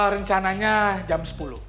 rencananya jam sepuluh